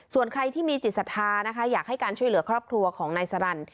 ส่วนใครที่มีจิตศรัทธานะคะอยากให้การช่วยเหลือครอบครัวของนายสรรค